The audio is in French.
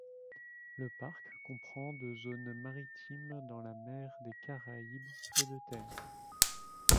Le parc comprend de zone maritime dans la Mer des Caraïbes et de terre.